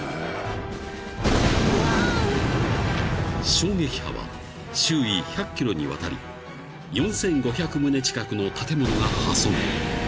［衝撃波は周囲１００ｋｍにわたり４，５００棟近くの建物が破損］